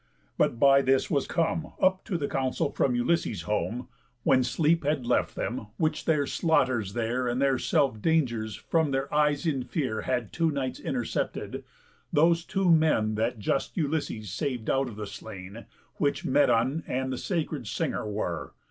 But by this was come Up to the council from Ulysses' home— When sleep had left them, which the slaughters there And their self dangers from their eyes in fear Had two nights intercepted—those two men That just Ulysses sav'd out of the slain, Which Medon and the sacred singer were.